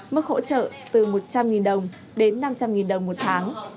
mức hỗ trợ từ một trăm linh đồng đến năm trăm linh đồng một tháng